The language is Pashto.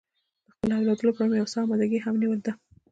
د خپلو اولادو لپاره مې یو څه اماده ګي هم نیولې ده.